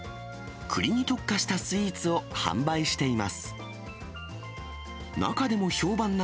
くりに特化したスイーツを販売しています。